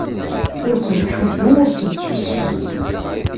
Ur tt-nettcuddu, ur tt-nettfessi!